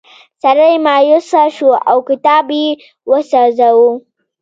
سړی مایوسه شو او کتاب یې وسوځاوه.